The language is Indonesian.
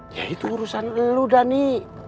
ya itu urusan lu dhani